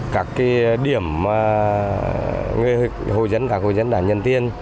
các điểm hội dẫn các hội dẫn đảng nhân tiên